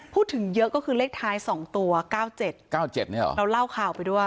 พูดถึงเยอะก็คือเลขท้าย๒ตัว๙๗๙๗เนี่ยเหรอเราเล่าข่าวไปด้วย